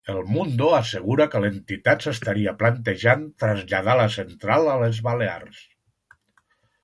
El Mundo'assegura que l'entitat s'estaria plantejant traslladar la central a les Balears.